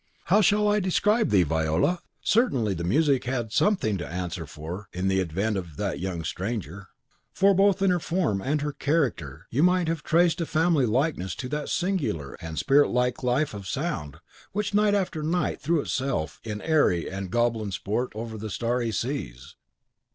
How shall I describe thee, Viola? Certainly the music had something to answer for in the advent of that young stranger. For both in her form and her character you might have traced a family likeness to that singular and spirit like life of sound which night after night threw itself in airy and goblin sport over the starry seas...